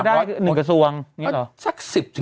ก็ได้๑กระทรวงเนี่ยหรอ